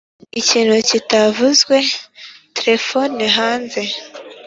ikintu kitavuzwe, terefone hanze